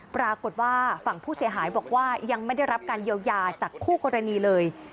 ปรากฏว่าฝั่งผู้เสียหายบอกว่ายังไม่ได้รับการเยียวยาจากคู่กรณีเลย